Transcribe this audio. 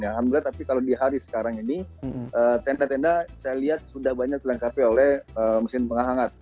alhamdulillah tapi kalau di hari sekarang ini tenda tenda saya lihat sudah banyak dilengkapi oleh mesin penghangat